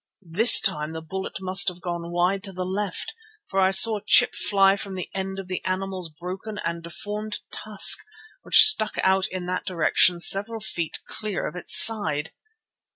This time the bullet must have gone wide to the left, for I saw a chip fly from the end of the animal's broken and deformed tusk, which stuck out in that direction several feet clear of its side.